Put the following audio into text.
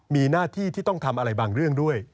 มีหน้าที่ที่ต้องทำอะไรบางเรื่องด้วย